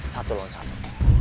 satu lawan satu